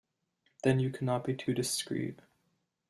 Then you cannot be too discreet.